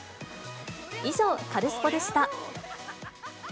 以上、カルスポっ！でした。